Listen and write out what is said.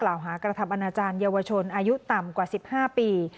กล่าวหากระทับอาณาจารย์เยาวชนอายุต่ำกว่า๑๕ปี